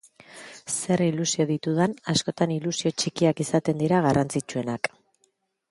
Zer ilusio ditudan, askotan ilusio txikiak izaten dira garrantzitzuenak.